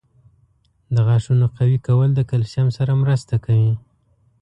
• د غاښونو قوي کول د کلسیم سره مرسته کوي.